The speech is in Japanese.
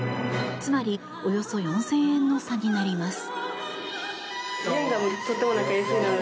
つまり、およそ４０００円の差になります。